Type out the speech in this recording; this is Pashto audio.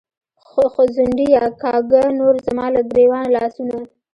“ځونډیه”کاږه نور زما له ګرېوانه لاسونه